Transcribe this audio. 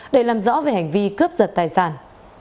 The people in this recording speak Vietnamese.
để làm rõ về hành vi cướp giật tài sản